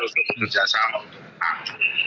untuk kerjasama untuk depan